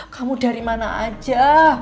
kamu dari mana aja